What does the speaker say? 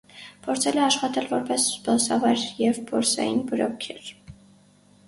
Փորձել է աշխատել, որպես զբոսավար և բորսային բրոքեր։